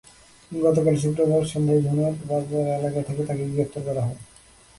গতকাল শুক্রবার সন্ধ্যায় ধুনট বাজার এলাকা থেকে তাঁকে গ্রেপ্তার করা হয়।